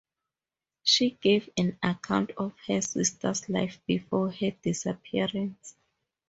She gave an account of her sister's life before her disappearance.